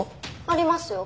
ありますよ